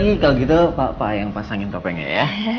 ini kalau gitu pak pak yang pasangin kopengnya ya